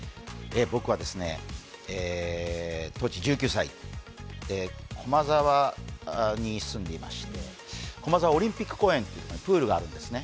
僕は当時１９歳、駒沢に住んでいまして、駒沢オリンピック公園にプールがあるんですね。